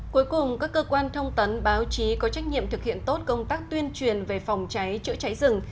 cuối cùng các cơ quan thông tấn báo chí có trách nhiệm thực hiện tốt công tác tuyên truyền về phòng cháy chữa cháy rừng